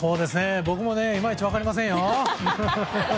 僕もいまいち分かりませんよ！